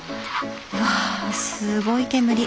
うわあすごい煙。